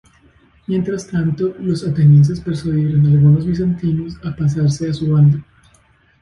Mientras tanto, los atenienses persuadieron a algunos bizantinos a pasarse a su bando.